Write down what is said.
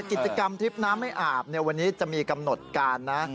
กิจกรรมทริปน้ำไม่อาบวันนี้จะมีกำหนดการนะ